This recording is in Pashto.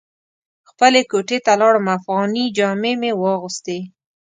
خپلې کوټې ته لاړم افغاني جامې مې واغوستې.